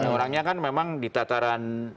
orangnya kan memang di tataran